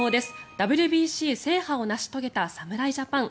ＷＢＣ制覇を成し遂げた侍ジャパン。